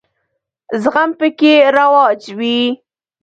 زغم پکې رواج وي.